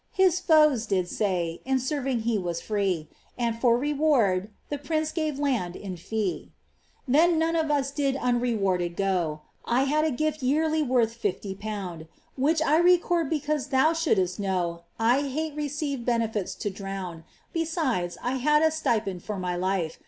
His foes did say, in serving he was free, And for reward the prince gave land in fee. " Then none of us did unrewarded go, I had a gift yearly worth fifty pound. Which I record because thou t>houldest know I hate received benefits to drown ; Besides, I had a stipend for my life.